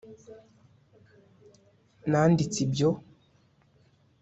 nanditse ibyo